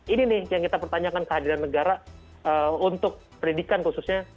ini nih yang kita pertanyakan kehadiran negara untuk pendidikan khususnya